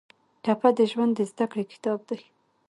ټپه د ژوند د زده کړې کتاب دی.